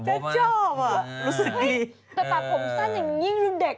แต่ปากผมสั้นยังยิ่งดูเด็ก